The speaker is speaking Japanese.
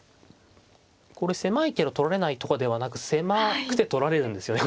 これ狭いけど取られないとかではなく狭くて取られるんですよね。